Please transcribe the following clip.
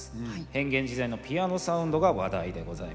変幻自在のピアノサウンドが話題でございます。